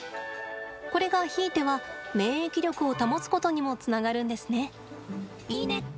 これが、ひいては免疫力を保つことにもつながるんですね。